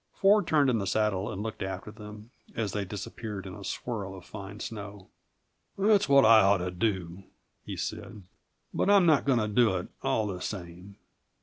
Ford turned in the saddle and looked after them, as they disappeared in a swirl of fine snow. "That's what I ought to do," he said, "but I'm not going to do it, all the same."